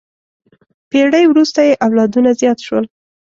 پېړۍ وروسته یې اولادونه زیات شول.